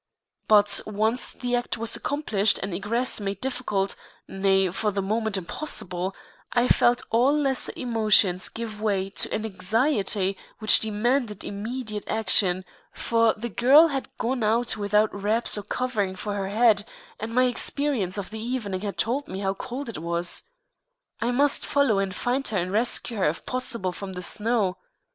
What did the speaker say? But once the act was accomplished and egress made difficult, nay, for the moment, impossible, I felt all lesser emotions give way to an anxiety which demanded immediate action, for the girl had gone out without wraps or covering for her head, and my experience of the evening had told me how cold it was. I must follow and find her and rescue her if possible from the snow.